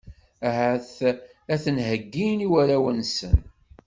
Ahat ad ten-heyyin i warraw-nsen.